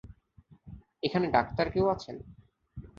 এখানে ডাক্তার কেউ আছেন?